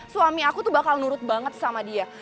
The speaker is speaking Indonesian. suami aku tuh bakal nurut banget sama dia